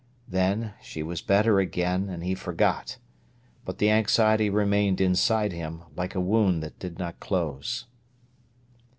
Then she was better again, and he forgot. But the anxiety remained inside him, like a wound that did not close.